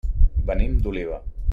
Venim d'Oliva.